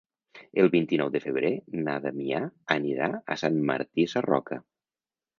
El vint-i-nou de febrer na Damià anirà a Sant Martí Sarroca.